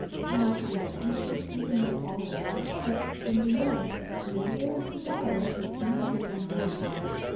Do not fear; you will succeed in this also; but, in the end, the emperor's desires will be his undoing.